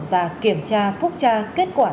và kiểm tra phúc tra kết quả